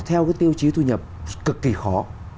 theo tiêu chí thu nhập cực kỳ khó